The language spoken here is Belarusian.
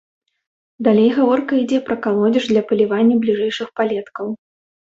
Далей гаворка ідзе пра калодзеж для палівання бліжэйшых палеткаў.